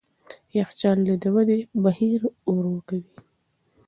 یخچال د ودې بهیر ورو کوي.